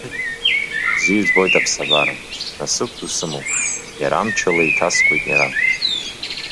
Бзиа избоит аԥсабара, насыԥ ду сымоуп, иара амчала еиҭаскуеит иара.